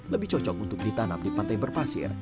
lebih cocok untuk ditanam di pantai berpasir